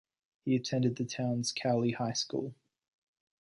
He attended the town's Cowley High School.